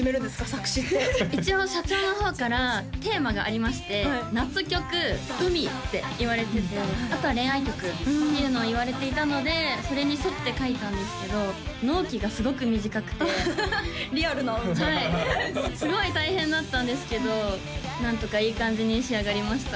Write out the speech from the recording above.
作詞って一応社長の方からテーマがありまして「夏曲海」って言われててあとは「恋愛曲」っていうのを言われていたのでそれに沿って書いたんですけど納期がすごく短くてフフフッリアルなすごい大変だったんですけどなんとかいい感じに仕上がりました